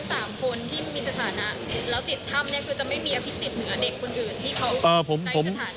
คือจะไม่มีอภิกษิตเหนือเด็กคนอื่นที่เขาในสถานะใช่ไหมครับ